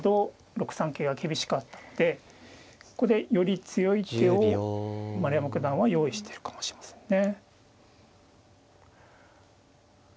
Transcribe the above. ６三桂が厳しかったのでここでより強い手を丸山九段は用意してるかもしれませんね。